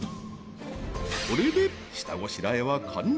これで下ごしらえは完了。